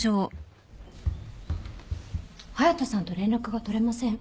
隼田さんと連絡が取れません。